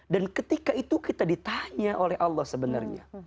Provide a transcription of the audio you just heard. dan ketika itu kita ditanya oleh allah sebenarnya